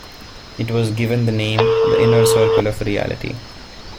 It was given the name "The Inner Circle of Reality".